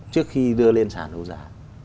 trước khi đưa lên sản hữu giá